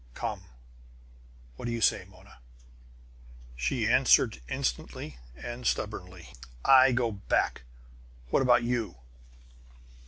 Come what do you say, Mona?" She answered instantly and stubbornly: "I go back. What about you?"